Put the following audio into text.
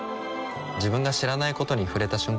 自分が知らないことに触れた瞬間